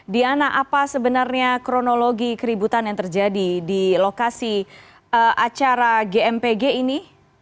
diana apa sebenarnya kronologi keributan yang terjadi di lokasi acara gmpg ini